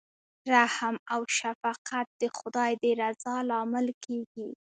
رحم او شفقت د خدای د رضا لامل کیږي.